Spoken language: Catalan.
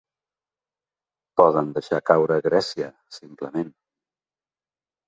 Poden deixar caure Grècia, simplement.